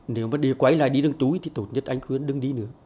nếu mà đi quay lại đi đứng túi thì tụt nhất anh khuyến đứng đi nữa